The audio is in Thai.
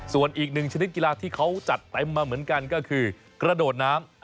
ส่วนอีกหนึ่งชนิดกีฬาที่เขาจัดเต็มมาเหมือนกันก็คือกระโดดน้ำ